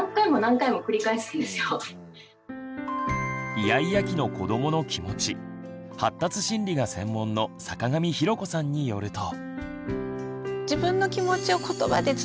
イヤイヤ期の子どもの気持ち発達心理が専門の坂上裕子さんによると。